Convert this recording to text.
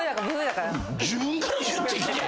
自分から言ってきて。